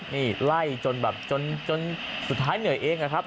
นี่ไล่จนแบบจนสุดท้ายเหนื่อยเองอะครับ